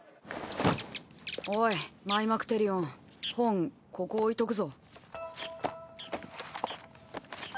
おいマイマクテリオン本ここ置いとくぞ。